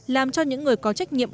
làm cho những người có trách nhiệm